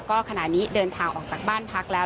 ก็ขณะนี้เดินทางออกจากบ้านพักแล้ว